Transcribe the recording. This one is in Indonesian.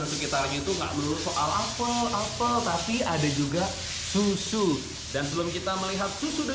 sekitar itu enggak berusaha apple apple tapi ada juga susu dan belum kita melihat susu dan